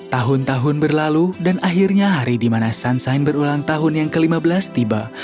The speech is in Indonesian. tahun tahun berlalu dan akhirnya hari di mana sunsign berulang tahun yang ke lima belas tiba